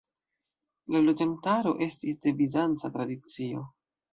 La loĝantaro estis de bizanca tradicio.